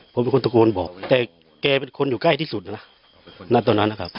ผมเป็นคนตะโกนบอกแต่แกเป็นคนอยู่ใกล้ที่สุดนะณตอนนั้นนะครับ